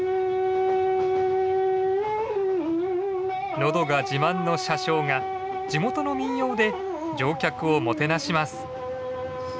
喉が自慢の車掌が地元の民謡で乗客をもてなします。